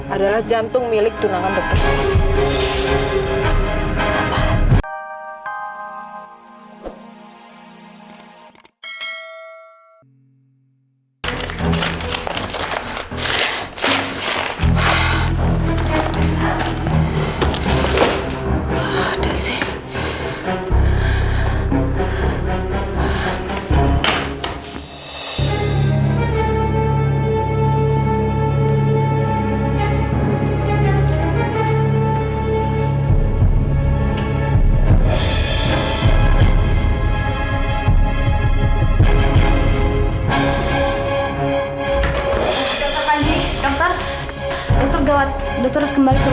adalah jantung milik tunangan dokter panji